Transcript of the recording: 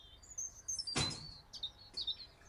En prisión coincidiría con Las Trece Rosas.